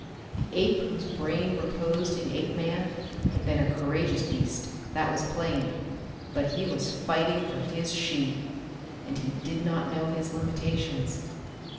The ape whose brain reposed in Apeman had been a courageous beast, that was plain. But he was fighting for his she. And he did not know his limitations.